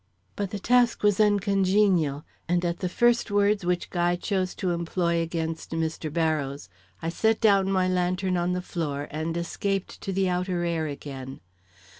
"But the task was uncongenial, and at the first words which Guy chose to employ against Mr. Barrows, I set down my lantern on the floor and escaped to the outer air again.